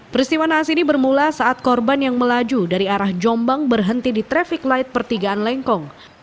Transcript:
peristiwa naas ini bermula saat korban yang melaju dari arah jombang berhenti di traffic light pertigaan lengkong